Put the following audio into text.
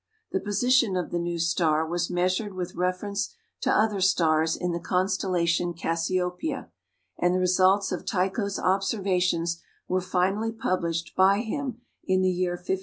The position of the new star was measured with reference to other stars in the constellation Cassiopeia, and the results of Tycho's observations were finally published by him in the year 1573.